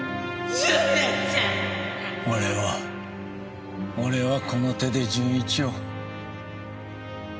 俺は俺はこの手で純一を。